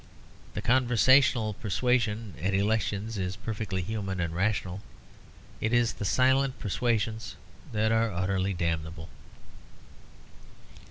The conversational persuasion at elections is perfectly human and rational; it is the silent persuasions that are utterly damnable.